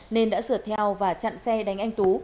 nên đã sửa theo và chặn xe đánh anh tú